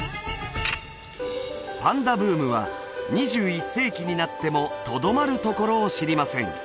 パンダブームは２１世紀になってもとどまるところを知りません